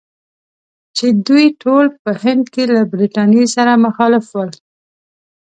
چې دوی ټول په هند کې له برټانیې سره مخالف ول.